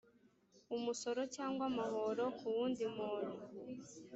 umusoro cyangwa amahoro ku wundi muntu